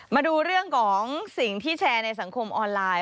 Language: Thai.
มาดูเรื่องของสิ่งที่แชร์ในสังคมออนไลน์